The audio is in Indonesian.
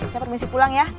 saya permisi pulang ya